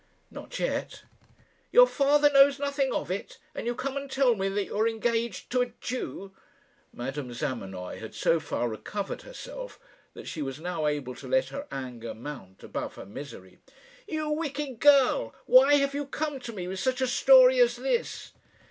"Not yet." "Your father knows nothing of it, and you come and tell me that you are engaged to a Jew!" Madame Zamenoy had so far recovered herself that she was now able to let her anger mount above her misery. "You wicked girl! Why have you come to me with such a story as this?"